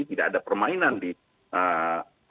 tidak ada permainan di ee